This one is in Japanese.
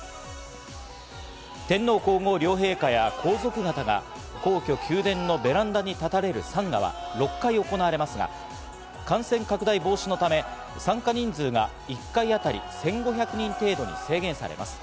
天皇皇后両陛下や、皇族方が皇居・宮殿のベランダに立たれる参賀は、６回行われますが、感染拡大防止のため、参加人数が１回あたり１５００人程度に制限されます。